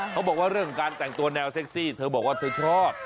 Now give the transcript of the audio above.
เขาบอกว่าเรื่องการแต่งตัวแนวเซ็กซี่เธอบอกว่าเธอชอบ